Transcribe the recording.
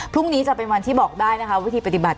พรุ่งนี้จะเป็นวันที่บอกได้นะคะวิธีปฏิบัติ